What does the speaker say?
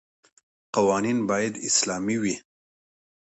قوانین باید اسلامي وي.